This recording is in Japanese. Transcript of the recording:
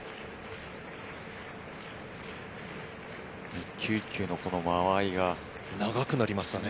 一球一球の間合いが長くなりましたね。